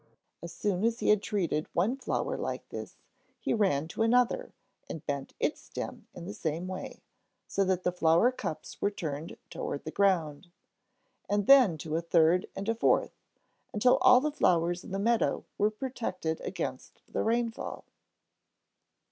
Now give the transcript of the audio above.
As soon as he had treated one flower like this, he ran to another and bent its stem in the same way, so that the flower cups were turned toward the ground. And then to a third and a fourth, until all the flowers in the meadow were protected against the rainfall.